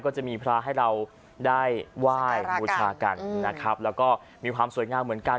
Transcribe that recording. จะมีพระให้เราได้ไหว้บูชากันนะครับแล้วก็มีความสวยงามเหมือนกัน